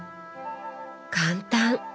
簡単！